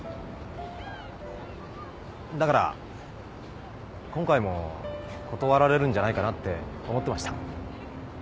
だから今回も断られるんじゃないかなって思ってました。